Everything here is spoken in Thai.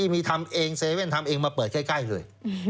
มีทำเอง๗๑๑ทำเองมาเปิดใกล้เลย